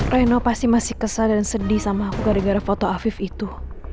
reno pasti masih kesal dan sedih sama aku gara gara foto afif itu